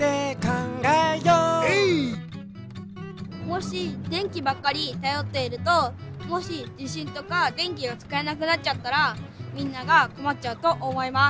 もしでんきばっかりたよっているともしじしんとかでんきがつかえなくなっちゃったらみんながこまっちゃうとおもいます。